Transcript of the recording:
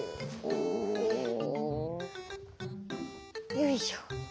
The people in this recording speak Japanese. よいしょ。